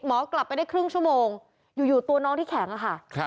กลับไปได้ครึ่งชั่วโมงอยู่ตัวน้องที่แข็งอะค่ะ